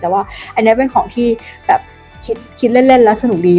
แต่ว่าอันนี้เป็นของที่แบบคิดเล่นแล้วสนุกดี